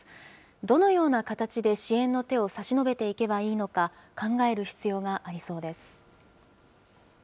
どのような形で支援の手を差し伸べていけばいいのか、考える必要がありそうです。